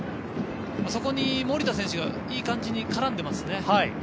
そこに守田選手がいい感じに絡んでいますね。